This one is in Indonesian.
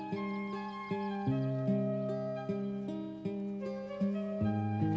menjadi kemampuan anda